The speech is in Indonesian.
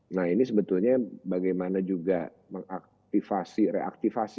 nah ini sebetulnya bagaimana juga mengaktifasi reaktivasi